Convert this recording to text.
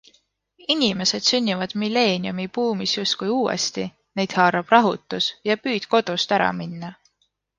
Inimesed sünnivad millenniumibuumis justkui uuesti, neid haarab rahutus ja püüd kodust ära minna.